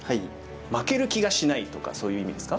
「負ける気がしない」とかそういう意味ですか？